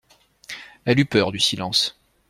Elle eut peur du silence.